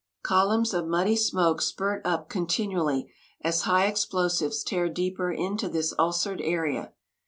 Columns of muddy smoke spurt up continually as high explosives tear deeper into this ulcered area.